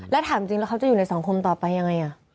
แล้วถามจริงแล้วเขาจะอยู่ในสังคมต่อไปยังไง